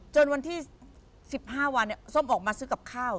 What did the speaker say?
จนวันที่สิบห้าวันซ่อมออกมาซื้อกับข้าว